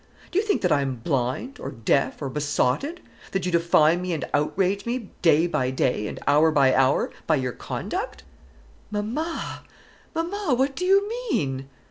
Do you think that I am blind, or deaf, or besotted; that you defy me and outrage me, day by day, and hour by hour, by your conduct?" "Mamma, mamma! what do you mean?"